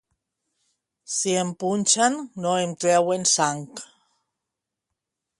Si em punxen no em trauen sang.